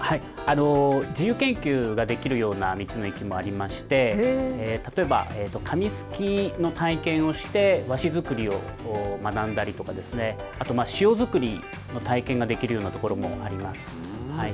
自由研究ができるような道の駅もありまして、例えば、紙すきの体験をして和紙作りを学んだりとかですね、あと塩作りの体験ができるような所もあります。